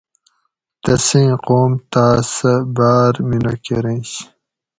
تسیں قوم تاس سہ باۤر مینہ کۤرینش